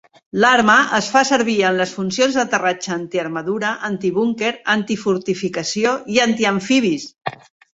L'arma es fa servir en les funcions d"aterratge anti-armadura, anti-búnquer, anti-fortificació i anti-amfibis.